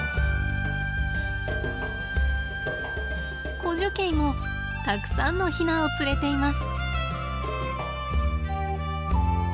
コジュケイもたくさんのヒナを連れています。